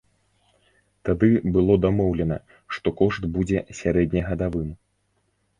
Тады было дамоўлена, што кошт будзе сярэднегадавым.